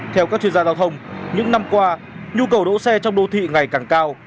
theo các chuyên gia giao thông những năm qua nhu cầu đỗ xe trong đô thị ngày càng cao